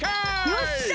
よっしゃ！